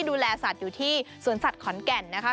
ดูแลสัตว์อยู่ที่สวนสัตว์ขอนแก่นนะคะ